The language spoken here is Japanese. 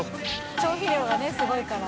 消費量がねすごいから。